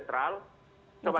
di tengah yang lebih netral